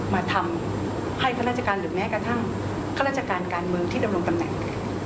มาทำให้ข้าราชการหรือแม้กระทั่งข้าราชการการเมืองที่ดำรงตำแหน่ง